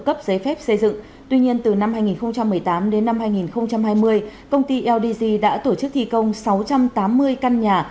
cấp giấy phép xây dựng tuy nhiên từ năm hai nghìn một mươi tám đến năm hai nghìn hai mươi công ty ldg đã tổ chức thi công sáu trăm tám mươi căn nhà